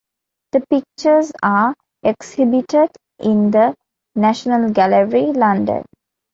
The pictures are exhibited in the National Gallery, London.